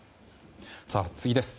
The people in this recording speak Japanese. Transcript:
次です。